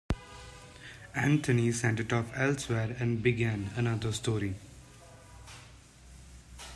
Anthony sent it off elsewhere and began another story.